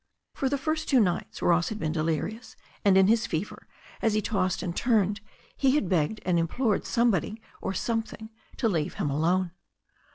For the first two nights Ross had been delirious, and in his fever, as he tossed and turned, he had begged and im plored something or somebody to leave him alone.